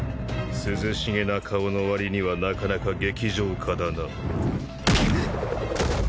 涼しげな顔のわりにはなかなか激情家だな。